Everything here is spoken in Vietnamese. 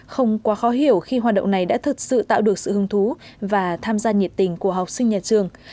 không quá khó hiểu khi hoạt động này đã thực sự tạo được sự hứng thú và tham gia nhiệt tình của học sinh nhà trường